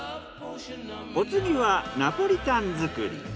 お次はナポリタン作り。